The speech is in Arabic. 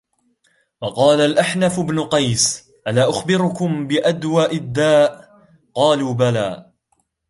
وَقَالَ الْأَحْنَفُ بْنُ قَيْسٍ أَلَا أُخْبِرُكُمْ بِأَدْوَأِ الدَّاءِ ؟ قَالُوا بَلَى